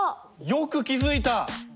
よく気付いた！